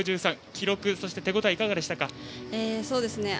記録、そして手応えいかがでしたか？